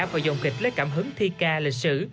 vào dòng kịch lấy cảm hứng thi ca lịch sử